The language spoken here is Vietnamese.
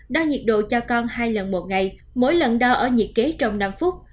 đo nhiệt độ cho con hai lần một ngày mỗi lần đo ở nhiệt kế trong năm phút